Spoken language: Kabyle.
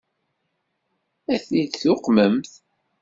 Ad ten-id-tuqmemt?